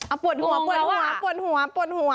อ้าวปวดหัวปวดหัวปวดหัว